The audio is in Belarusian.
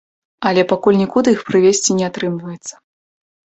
Але пакуль нікуды іх прывезці не атрымліваецца.